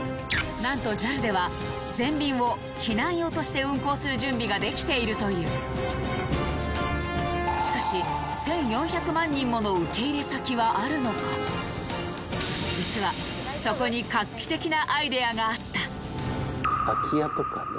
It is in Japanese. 何とＪＡＬでは全便を避難用として運航する準備ができているというしかし１４００万人もの受け入れ先はあるのか実はそこに画期的なアイデアがあった空き家とかね